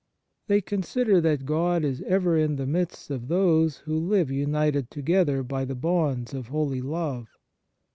They consider that God is ever in the midst of those who live united together by the bonds of holy love.